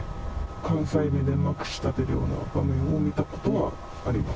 関西弁でまくしたてるような場面を見たことはあります。